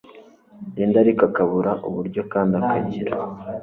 Linda ariko akabura uburyo kandi akagira